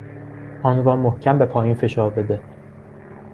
آن را محکم به پایین فشار بده!